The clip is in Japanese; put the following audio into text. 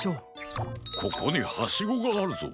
ここにハシゴがあるぞ。